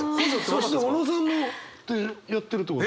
そして小野さんもってやってるってことは？